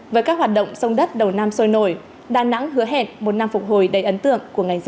với các hoạt động sông đất đầu nam sôi nổi đà nẵng hứa hẹn một năm phục hồi đầy ấn tượng của ngành du lịch